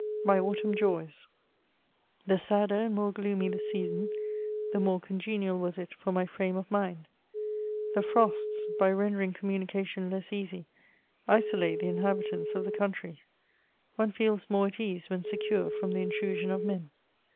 MY AUTUMN JOYS. The sadder ai^d, more gloomy the season, the more ooQgenial was it with my frame of mind ; the frosts, by rendering com munication less easy, isolate the mhabitants of the country ; OQC feels more at ease when secure from the intrusion of men.